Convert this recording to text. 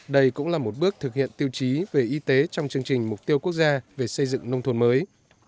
đây cũng là một bước thực hiện tiêu chí về y tế trong chương trình mục tiêu quốc gia về xây dựng nông thôn mới